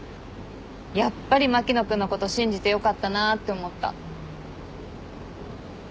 やっぱり牧野君のこと信じてよかったなって思った。